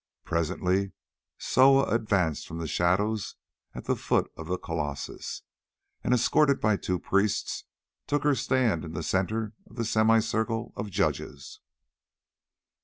Presently Soa advanced from the shadows at the foot of the colossus, and escorted by two priests took her stand in the centre of the semicircle of judges.